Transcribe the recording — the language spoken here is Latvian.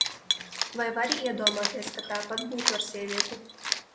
Vai vari iedomāties, ka tāpat būtu ar sievieti?